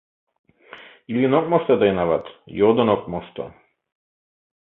— Илен ок мошто тыйын ават, йодын ок мошто.